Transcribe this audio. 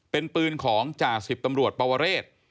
เป็นปืนของจ่าสิบตำรวจปวเรศ